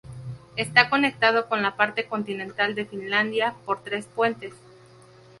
Está conectado con la parte continental de Finlandia por tres puentes.